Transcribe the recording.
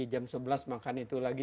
jam sebelas makan itu lagi